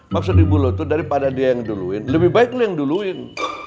maksud ibu lu tuh daripada dia yang duluin lebih baik lo yang duluin